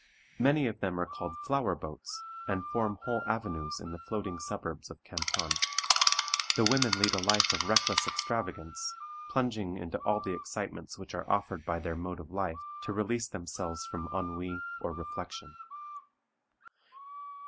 Many of them are called "Flower Boats," and form whole avenues in the floating suburbs of Canton. The women lead a life of reckless extravagance, plunging into all the excitements which are offered by their mode of life to release themselves from ennui or reflection.